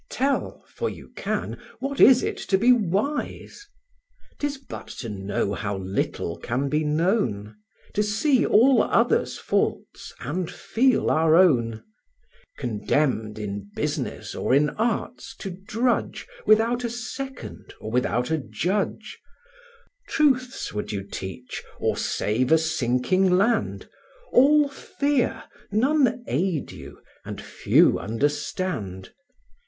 Tell (for you can) what is it to be wise? 'Tis but to know how little can be known; To see all others' faults, and feel our own; Condemned in business or in arts to drudge, Without a second or without a judge; Truths would you teach or save a sinking land, All fear, none aid you, and few understand.